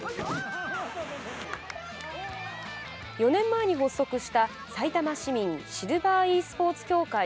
４年前に発足したさいたま市民シルバーｅスポ―ツ協会。